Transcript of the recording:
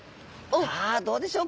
さあどうでしょうか？